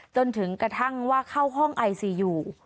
จนกระทั่งว่าเข้าห้องไอซียู